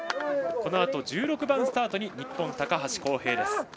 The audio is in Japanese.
このあと１６番スタートに日本、高橋幸平です。